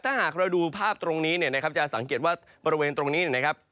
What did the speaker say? ถ้าหากเราดูภาพตรงนี้เนี่ยนะครับจะสังเกตว่าบริเวณตรงนี้นะครับ